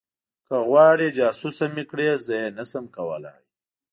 که غواړې جاسوسه مې کړي زه یې نشم کولی